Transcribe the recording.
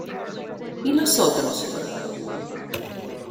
¿ y los otros?